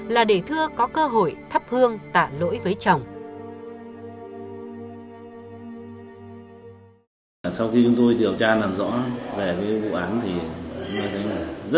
là để thưa có cơ hội để bắt thưa